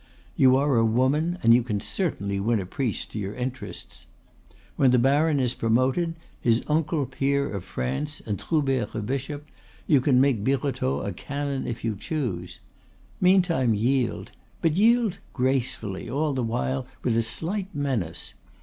You are a woman, and you can certainly win a priest to your interests. When the baron is promoted, his uncle peer of France, and Troubert a bishop, you can make Birotteau a canon if you choose. Meantime yield, but yield gracefully, all the while with a slight menace.